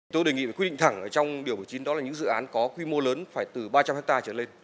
tôi đề nghị quy định thẳng trong điều một mươi chín đó là những dự án có quy mô lớn phải từ ba trăm linh ha trở lên